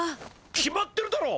決まってるだろ！